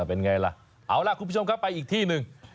เอาล่ะคุณผู้ชมครับไปอีกที่หนึ่ง